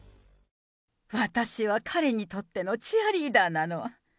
私は彼にとってのチアリーダーなの。